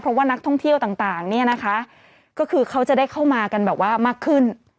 เพราะว่านักท่องเที่ยวต่างเนี่ยนะคะก็คือเขาจะได้เข้ามากันแบบว่ามากขึ้น